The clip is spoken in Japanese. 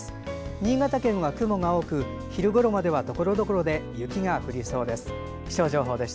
新潟県は雲が多く昼ごろまではところどころで雪が降りそうです。